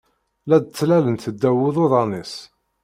La d-ttlalent ddaw iḍuḍan-is